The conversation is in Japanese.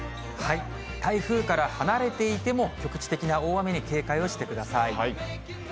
台風から離れていても、局地的な大雨に警戒をしてください。